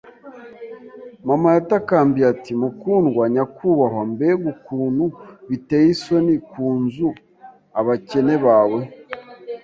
Mama yatakambiye ati: “Mukundwa, nyakubahwa, mbega ukuntu biteye isoni ku nzu! Abakene bawe